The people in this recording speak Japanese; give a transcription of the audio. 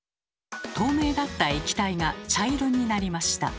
透明だった液体が茶色になりました。